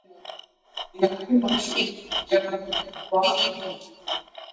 The names of ships are selected by the Secretary of the Navy.